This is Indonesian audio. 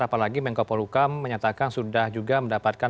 apalagi menko polukam menyatakan sudah juga mendapatkan